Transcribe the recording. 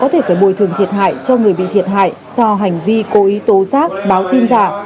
tiếp với bồi thường thiệt hại cho người bị thiệt hại do hành vi cố ý tố giác báo tin giả